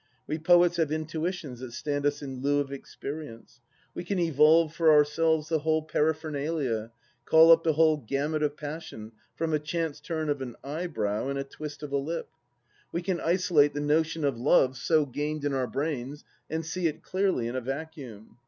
We poets have intuitions that stand us in lieii of experience. We can evolve for ourselves the whole paraphernalia, call up the whole gamut of passion from a chance turn of an eyebrow and a twist of a lip. ... We can isolate the notion of Love so gained in our brains and see it clearly, in a vacuum.